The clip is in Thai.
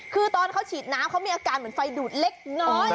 คือตอนเขาฉีดน้ำเขามีอาการเหมือนไฟดูดเล็กน้อย